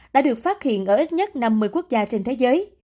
đã được phát hiện ở ít nhất năm mươi quốc gia trên thế giới